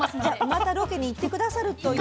またロケに行って下さるという。